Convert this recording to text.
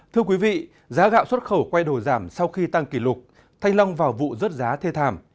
thưa quý vị giá gạo xuất khẩu quay đổi giảm sau khi tăng kỷ lục thanh long vào vụ rớt giá thê thảm